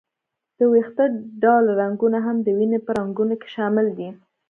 د وېښته ډوله رګونه هم د وینې په رګونو کې شامل دي.